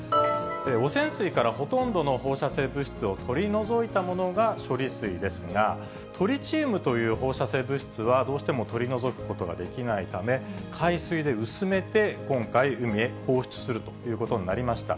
汚染水からほとんどの放射性物質を取り除いたものが処理水ですが、トリチウムという放射性物質は、どうしても取り除くことができないため、海水で薄めて、今回、海へ放出するということになりました。